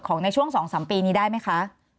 ในช่วง๒๓ปีนี้ได้ไหมคะ